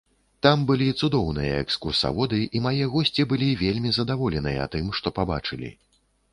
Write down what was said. Там былі цудоўныя экскурсаводы, і мае госці былі вельмі задаволеныя тым, што пабачылі.